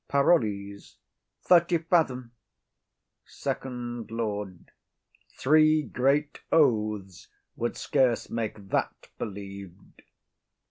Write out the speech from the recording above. PAROLLES. Thirty fathom. FIRST LORD. [Aside.] Three great oaths would scarce make that be believed.